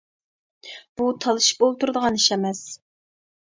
— بۇ تالىشىپ ئولتۇرىدىغان ئىش ئەمەس!